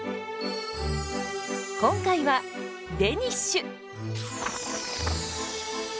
今回はデニッシュ！